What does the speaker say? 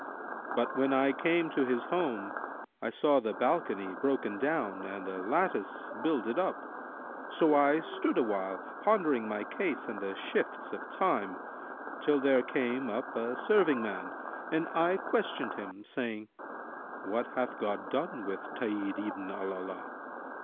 But when I came to his home, I saw the balcony broken down and the lattice builded up; so I stood awhile, pondering my case and the shifts of Time, till there came up a serving man, and I questioned him, saying, 'What hath God done with Tahir ibn al Alaa?'